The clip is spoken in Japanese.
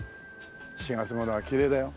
４月頃はきれいだよ